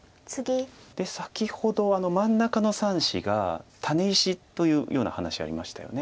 先ほど真ん中の３子がタネ石というような話ありましたよね。